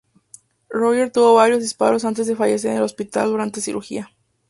Roger tuvo varios disparos antes de fallecer en el hospital durante cirugía.